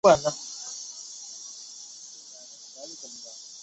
科罗拉多级战列舰是美国建造的一种战列舰。